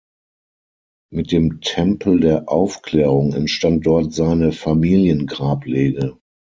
Mit dem Tempel der Aufklärung entstand dort seine Familiengrablege.